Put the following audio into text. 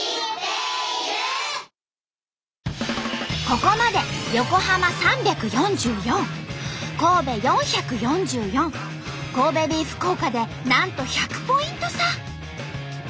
ここまで横浜３４４神戸４４４神戸ビーフ効果でなんと１００ポイント差。